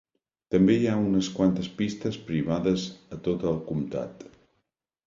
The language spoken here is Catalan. També hi ha unes quantes pistes privades a tot el comtat.